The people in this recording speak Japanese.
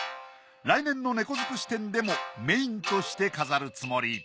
来年の猫づくし展でもメインとして飾るつもり。